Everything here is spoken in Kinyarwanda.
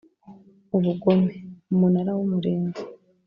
ubugome Umunara w Umurinzi